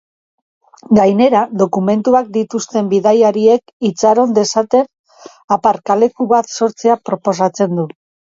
Gainera, dokumentuak dituzten bidaiariak itxaron dezaten aparkaleku bat sortzea proposatzen du.